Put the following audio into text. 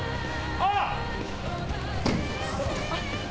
あっ！